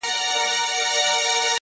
• د بهار په انتظار یو ګوندي راسي ,